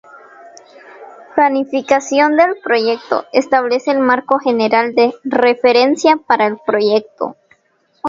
Planificación del Proyecto.- establece el marco general de referencia para el proyecto.